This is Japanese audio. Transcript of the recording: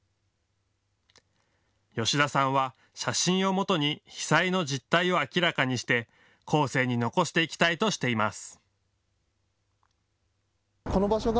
吉田さんは写真をもとに被災の実態を明らかにして後世に残していきたいとしています。